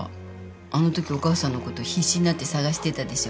あのときお母さんのこと必死になって捜してたでしょ？